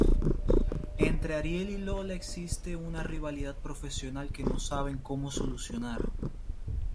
Entre Ariel y Lola existe una rivalidad profesional que no saben cómo solucionar.